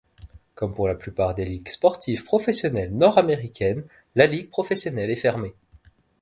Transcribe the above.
Comme pour la plupart des ligues sportives professionnelles nord-américaines, la ligue professionnelle est fermée.